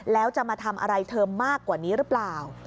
แล้วจะมาทำอะไรเธอมากกว่านี้หรือเปล่า